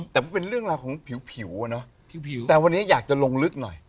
แต่มันเป็นเรื่องราวของผิวอะเนาะผิวแต่วันนี้อยากจะลงลึกหน่อย